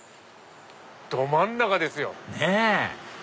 ど真ん中ですよ。ねぇ！